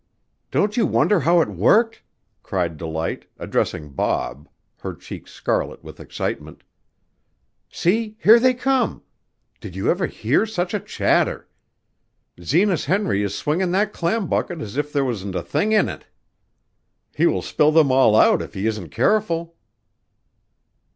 "Don't you wonder how it worked?" cried Delight, addressing Bob, her cheeks scarlet with excitement. "See, here they come! Did you ever hear such a chatter! Zenas Henry is swinging that clam bucket as if there wasn't a thing in it. He will spill them all out if he isn't careful."